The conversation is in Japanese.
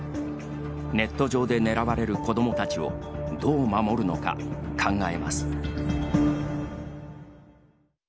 ネット上で狙われる子どもたちをどう守るのか考えます。